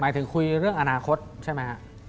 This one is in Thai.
ถึงคุยเรื่องอนาคตใช่ไหมฮะ